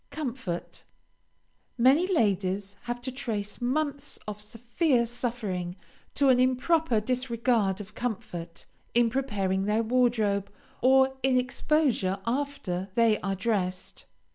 COMFORT Many ladies have to trace months of severe suffering to an improper disregard of comfort, in preparing their wardrobe, or in exposure after they are dressed.